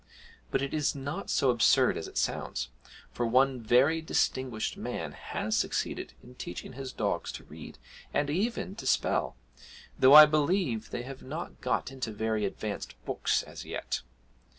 But it is not so absurd as it sounds, for one very distinguished man has succeeded in teaching his dogs to read and even to spell, though I believe they have not got into very advanced books as yet.